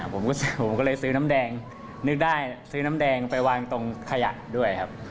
ผมก็แซวผมก็เลยซื้อน้ำแดงนึกได้ซื้อน้ำแดงไปวางตรงขยะด้วยครับ